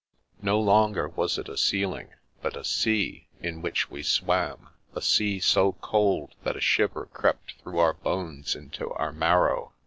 No longer was it a ceiling, but a sea in which we swam ; a sea so cold that a shiver crept through our bones into our marrow.